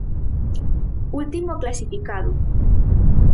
Último clasificado.